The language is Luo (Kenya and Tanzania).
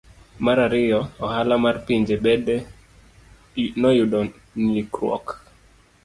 Mar ariyo, ohala mar pinje bende noyudo ng'ikruok.